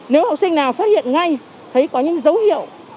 nếu học sinh nào phát hiện ngay thấy có những dấu hiệu